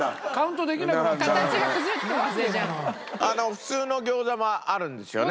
普通の餃子もあるんですよね？